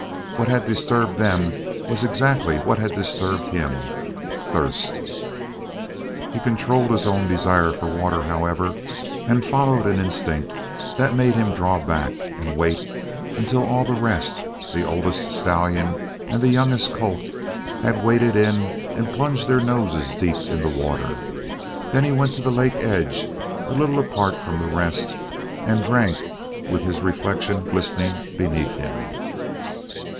What had disturbed them was exactly what had disturbed him thirst. He controlled his own desire for water, however, and followed an instinct that made him draw back and wait until all the rest the oldest stallion and the youngest colt had waded in and plunged their noses deep in the water. Then he went to the lake edge a little apart from the rest and drank with his reflection glistening beneath him.